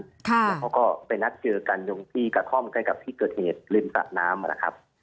แล้วเขาก็ไปนัดเจอกันตรงที่กระท่อมใกล้กับที่เกิดเหตุริมสะน้ำนะครับ